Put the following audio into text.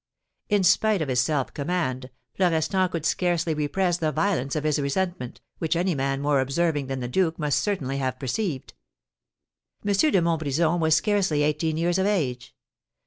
In spite of his self command, Florestan could scarcely repress the violence of his resentment, which any man more observing than the duke must certainly have perceived. M. de Montbrison was scarcely eighteen years of age.